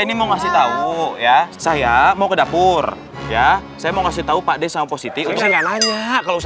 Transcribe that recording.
ini mau ngasih tahu ya saya mau ke dapur ya saya mau kasih tahu pak desa yang positif